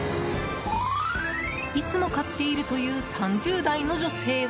いつも買っているという３０代の女性は。